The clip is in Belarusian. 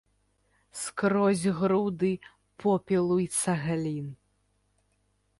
Скрозь груды попелу й цаглін.